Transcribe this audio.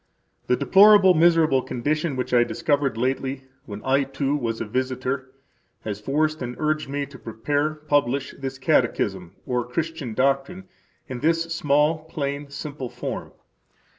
The deplorable, miserable condition which I discovered lately when I, too, was a visitor, has forced and urged me to prepare [publish] this Catechism, or Christian doctrine, in this small, plain, simple form.